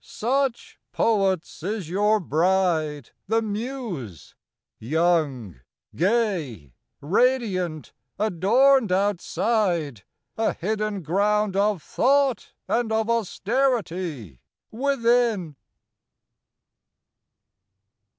Such, poets, is your bride, the Muse! young, gay, Radiant, adorned outside; a hidden ground Of thought and of austerity within.